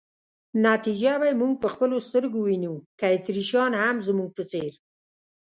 نتیجه به یې موږ په خپلو سترګو وینو، که اتریشیان هم زموږ په څېر.